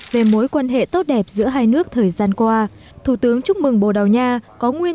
về mối quan hệ tốt đẹp giữa hai nước thời gian qua thủ tướng chúc mừng bồ đào nha có nguyên